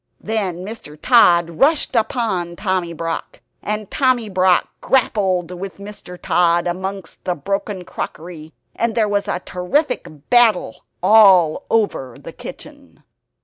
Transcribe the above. Then Mr. Tod rushed upon Tommy Brock, and Tommy Brock grappled with Mr. Tod amongst the broken crockery, and there was a terrific battle all over the kitchen.